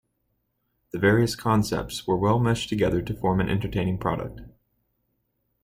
The various concepts were well meshed together to form an entertaining product.